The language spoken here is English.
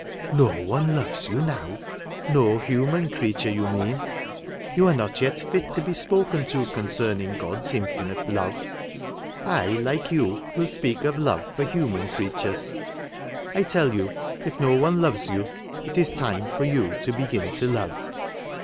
" No one loves you now 1 No human creature, you mean. You are not yet fit to be spoken to concerning God's infinite love. I, like you, will speak of love for human creatures. I tell yon, if no one loves you, it is time for you to begin to love."